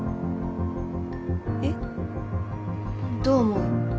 えっ？どう思う？